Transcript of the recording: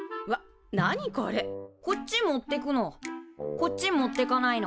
こっち持ってかないの。